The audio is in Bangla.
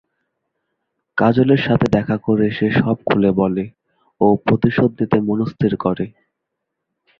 কাজলের সাথে দেখা করে সে সব খুলে বলে ও প্রতিশোধ নিতে মনস্থির করে।